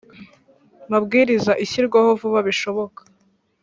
mabwiriza ishyirwaho vuba bishoboka